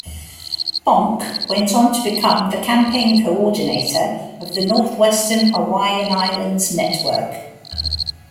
Bonk went on to become the campaign coordinator of the Northwestern Hawaiian Islands Network.